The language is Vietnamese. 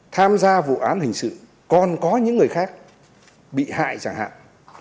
tham gia vụ án hình sự còn có những người khác bị hại chẳng hạn